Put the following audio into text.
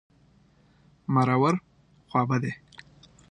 مرور... خوابدی.